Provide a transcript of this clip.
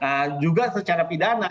nah juga secara pidana